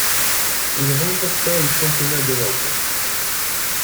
Il remporta le championnat d'Europe.